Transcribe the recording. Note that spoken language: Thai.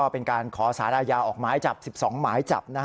เป็นการขอสารอาญาออกหมายจับ๑๒หมายจับ